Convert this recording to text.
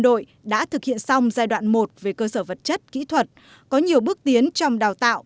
đội đã thực hiện xong giai đoạn một về cơ sở vật chất kỹ thuật có nhiều bước tiến trong đào tạo